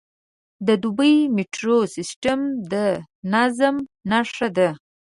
د دوبی میټرو سیستم د نظم نښه ده.